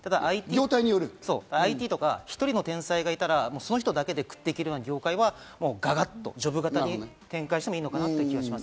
ＩＴとか１人の天才がいたら、その人だけで食っていけるような業界はガラッとジョブ型に転換してもいいのかなという気がします。